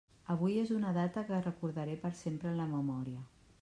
Avui és una data que recordaré per sempre en la memòria.